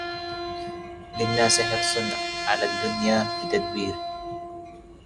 للناس حرص على الدنيا بتدبير